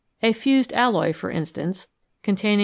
A fused alloy, for instance, containing a FIG.